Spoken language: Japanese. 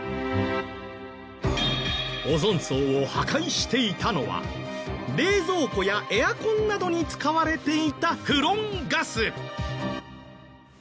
オゾン層を破壊していたのは冷蔵庫やエアコンなどに使われていたフロンガス。